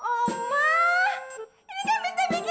sok latih harus do'e